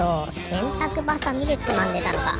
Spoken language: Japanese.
せんたくばさみでつまんでたのか。